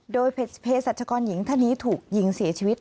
โดยเพศรัชกรหญิงท่านนี้ถูกยิงเสียชีวิต